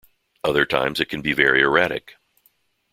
Other times it can be very erratic.